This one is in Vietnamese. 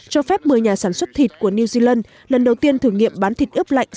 cho phép một mươi nhà sản xuất thịt của new zealand lần đầu tiên thử nghiệm bán thịt ướp lạnh